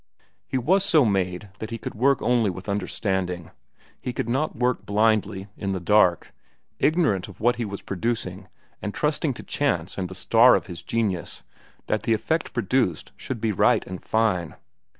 He was so made that he could work only with understanding. He could not work blindly, in the dark, ignorant of what he was producing and trusting to chance and the star of his genius that the effect produced should be right and fine.